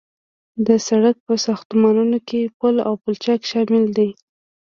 د سرک په ساختمانونو کې پل او پلچک شامل دي